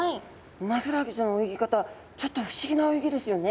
ウマヅラハギちゃんの泳ぎ方ちょっと不思議な泳ぎですよね。